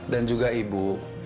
dan juga ibu